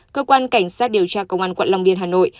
cơ quan cảnh sát điều tra công an quận long biên hà nội